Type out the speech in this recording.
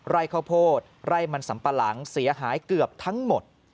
ไร่ข้าวโพดไร่มันสัมปะหลังเสียหายเกือบทั้งหมด